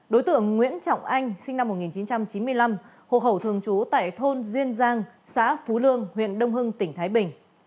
đối tượng nguyễn trọng anh sinh năm một nghìn chín trăm chín mươi năm hộ khẩu thường trú tại thôn duyên giang xã phú lương huyện đông hưng tỉnh thái bình